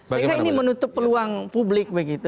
sehingga ini menutup peluang publik begitu